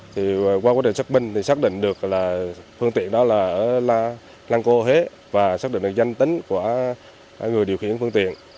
thì qua quá trình xác minh thì xác định được là phương tiện đó là ở lăng cô huế và xác định được danh tính của người điều khiển phương tiện